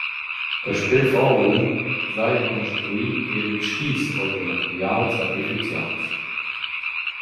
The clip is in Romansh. Daspö Falun s’haja construi eir ils skis our da materials artificials.